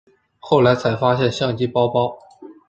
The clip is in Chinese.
后来才发现相机包包